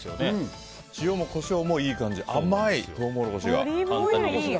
塩もコショウもいい感じでトウモロコシが甘い！